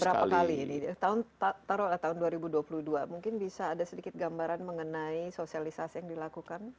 berapa kali ini taruhlah tahun dua ribu dua puluh dua mungkin bisa ada sedikit gambaran mengenai sosialisasi yang dilakukan